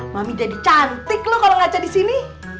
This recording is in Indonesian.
mami jadi cantik loh kalau ngajak di sini